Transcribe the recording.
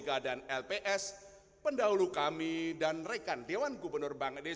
wassalamu alaikum warahmatullah beraikatuh